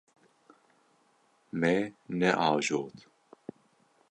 Me neajot.